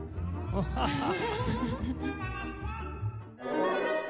アハハハ。